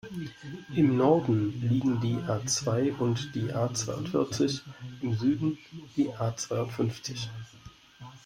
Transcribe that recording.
Im Norden liegen die A-zwei und die A-zweiundvierzig, im Süden die A-zweiundfünfzig.